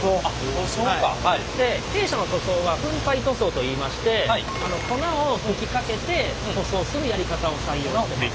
で弊社の塗装は粉体塗装といいまして粉を吹きかけて塗装するやり方を採用してます。